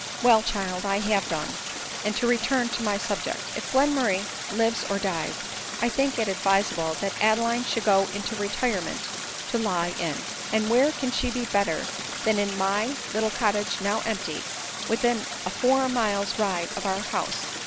" Well, child, I have done ; and to return to my sub ject ; if Glenmurray lives or dies, I think it advisable that Adeline should go into retirement to lie in. And where can she be better than in my little cottage now empty, within a four miles ride of our house